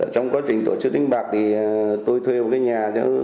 trong quá trình tổ chức đánh bạc thì tôi thuê một cái nhà